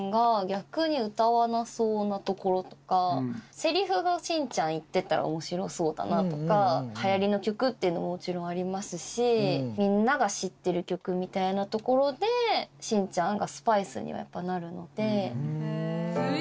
セリフがしんちゃん言ってたら面白そうだなとか流行りの曲っていうのももちろんありますしみんなが知ってる曲みたいなところでしんちゃんがスパイスにやっぱりなるので。